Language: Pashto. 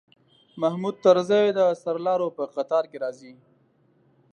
محمود طرزی د سرلارو په قطار کې راځي.